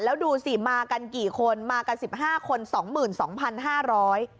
แล้วดูสิมากันกี่คนมากันสิบห้าคนสองหมื่นสองสองพันห้าร้อย